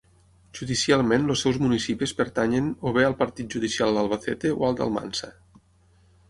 Judicialment els seus municipis pertanyen o bé al partit judicial d'Albacete o al d'Almansa.